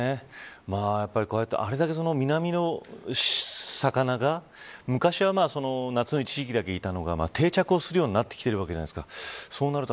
あれだけ、南の魚が昔は、夏に、一時期だけいたのが、定着するようになってきているわけじゃないですか。